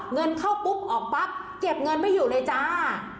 เงินเข้าปุ๊บออกปั๊บเก็บเงินไม่อยู่เลยจ้า